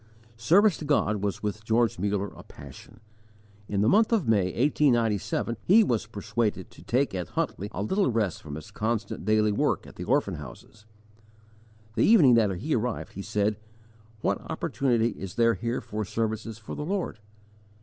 Service to God was with George Muller a passion. In the month of May, 1897, he was persuaded to take at Huntly a little rest from his constant daily work at the orphan houses. The evening that he arrived he said, What opportunity is there here for services for the Lord?